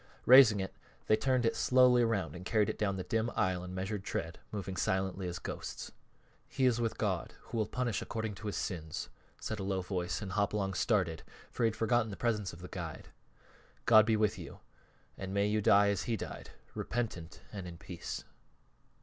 Raising it they turned it slowly around and carried it down the dim aisle in measured tread, moving silently as ghosts. "He is with God, Who will punish according to his sins," said a low voice, and Hopalong started, for he had forgotten the presence of the guide. "God be with you, and may you die as he died repentant and in peace."